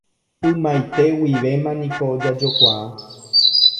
Ymaite guivéma niko jajokuaa.